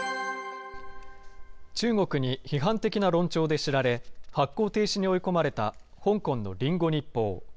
中国に批判的な論調で知られ、発行停止に追い込まれた、香港のリンゴ日報。